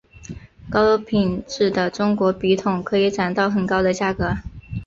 高品质的中国笔筒可以涨到很高的价格。